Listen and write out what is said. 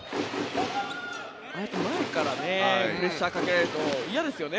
ああやって前からプレッシャーをかけられると嫌ですよね